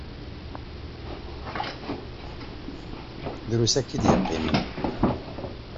Drus akya i d-iqqimen.